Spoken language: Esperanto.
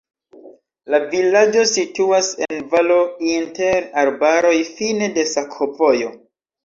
La vilaĝo situas en valo inter arbaroj, fine de sakovojo.